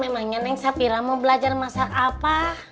memangnya nenek sapira mau belajar masak apa